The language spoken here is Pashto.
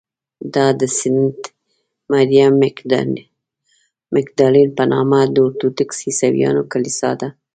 دا د سینټ مریم مګدالین په نامه د ارټوډکس عیسویانو کلیسا ده.